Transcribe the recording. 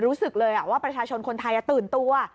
รู้สึกเลยว่าประชาชนคนไทยตื่นตัว